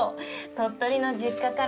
鳥取の実家から。